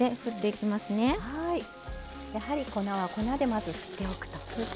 やはり粉は粉でまず振っておくと。